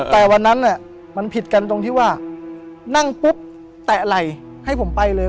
แต่วันนั้นมันผิดกันตรงที่ว่านั่งปุ๊บแตะไหล่ให้ผมไปเลย